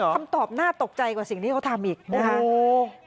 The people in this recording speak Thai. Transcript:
คำตอบน่าตกใจกว่าสิ่งที่เขาทำอีกนะคะ